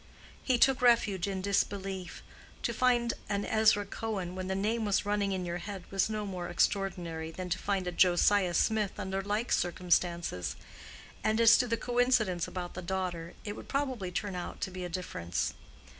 He took refuge in disbelief. To find an Ezra Cohen when the name was running in your head was no more extraordinary than to find a Josiah Smith under like circumstances; and as to the coincidence about the daughter, it would probably turn out to be a difference.